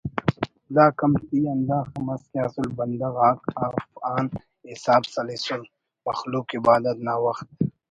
داکمتی ہنداخہ مس کہ اسل بندغ آک اف آن حساب سلیسر مخلوق عبادت نا وخت